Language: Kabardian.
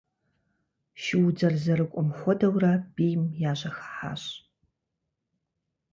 Шуудзэр зэрыкӏуэм хуэдэурэ бийм яжьэхыхьащ.